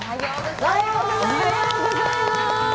おはようございます。